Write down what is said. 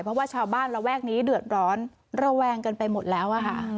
เพราะว่าชาวบ้านระแวกนี้เดือดร้อนระแวงกันไปหมดแล้วอะค่ะ